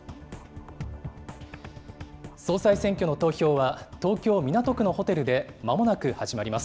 総裁選挙の投票は、東京・港区のホテルで、まもなく始まります。